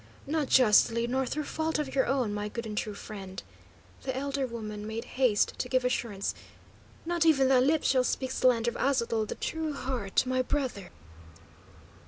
"Not justly, nor through fault of your own, my good and true friend," the elder woman made haste to give assurance. "Not even thy lips shall speak slander of Aztotl the True heart, my brother."